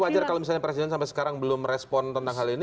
jadi wajar kalau misalnya presiden sampai sekarang belum respon tentang hal ini